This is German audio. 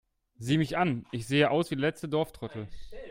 Sieh mich an, ich sehe aus wie der letzte Dorftrottel